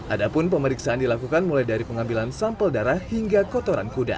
adapun pemeriksaan dilakukan mulai dari pengambilan sampel darah hingga kotoran kuda